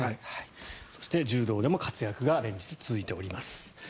そして、柔道でも活躍が連日続いております。